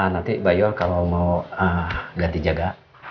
nanti mbak yol kalau mau ganti jaga